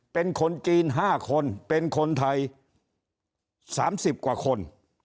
เป็นคนจีน๕คนเป็นคนไทย๓๐กว่าคน